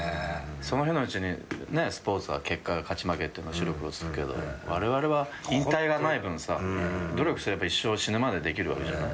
その日のうちにスポーツは結果が勝ち負けって白黒つくけどわれわれは引退がない分さ努力すれば一生死ぬまでできるわけじゃん。